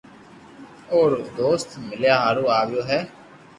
او رو دوست مليا ھارو آيو ھي